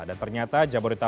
dan ternyata jabodetabek